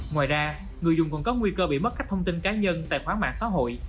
ngoài ra người dùng còn có nguy cơ bị mất các thông tin cá nhân tài khoản mạng xã hội